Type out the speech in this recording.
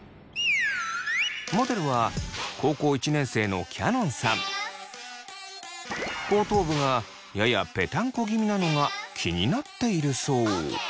モデルは後頭部がややぺたんこ気味なのが気になっているそう。